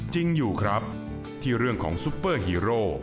จริงอยู่ครับที่เรื่องของซุปเปอร์ฮีโร่